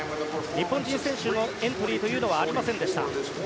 日本人選手のエントリーというのはありませんでした。